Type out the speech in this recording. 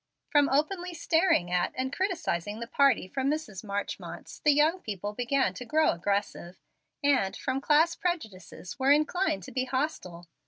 From openly staring at and criticising the party from Mrs. Marchmont's, the young people began to grow aggressive, and, from class prejudices, were inclined to be hostile.